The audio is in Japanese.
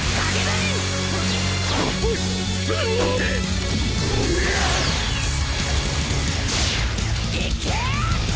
いけ！